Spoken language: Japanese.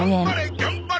頑張れ！